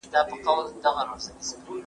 زه هره ورځ مړۍ خورم؟!